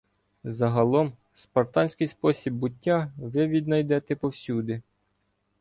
Загалом, спартанський спосіб буття ви віднайдете повсюди